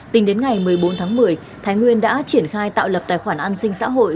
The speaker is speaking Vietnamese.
tính đến ngày một mươi bốn tháng một mươi thái nguyên đã triển khai tạo lập tài khoản an sinh xã hội